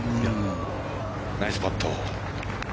ナイスパット。